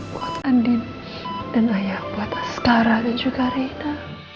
buat andin dan ayah buat askara dan juga reina